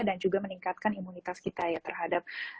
dan juga meningkatkan imunitas kita ya terhadap